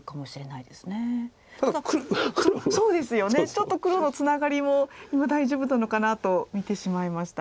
ちょっと黒のツナガリも今大丈夫なのかなと見てしまいました。